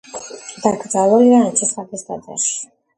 დაკრძალულია ანჩისხატის ტაძარში.